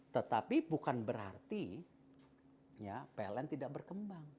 tetapi bukan berarti pln tidak berkembang